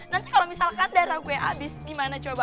nanti kalau misalkan darah gue abis gimana coba